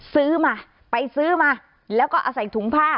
ซื้อมาไปซื้อมาแล้วก็เอาใส่ถุงผ้า